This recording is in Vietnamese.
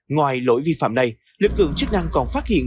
ngoài lỗi vi phạm này lực lượng chức năng còn phát hiện